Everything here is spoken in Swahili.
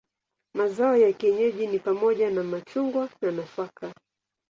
Mazao ya kienyeji ni pamoja na machungwa na nafaka.